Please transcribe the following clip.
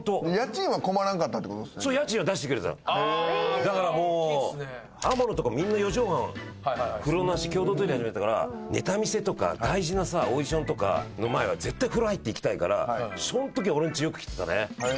だからもう天野とかみんな４畳半風呂なし共同トイレだったからネタ見せとか大事なさオーディションとかの前は絶対風呂入って行きたいからその時は俺んちよく来てたね。